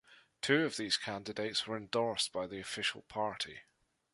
Two of these candidates were endorsed by the official party.